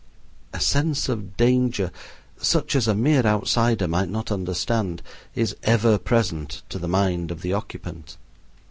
A sense of danger, such as a mere outsider might not understand, is ever present to the mind of the occupant.